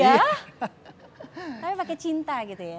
tapi pakai cinta gitu ya